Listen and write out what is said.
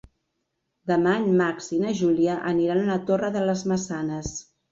Demà en Max i na Júlia aniran a la Torre de les Maçanes.